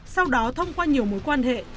sau đó thông qua nhiều mối quan hệ